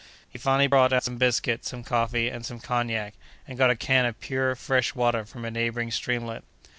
He finally brought out some biscuit, some coffee, and some cognac, and got a can of pure, fresh water from a neighboring streamlet.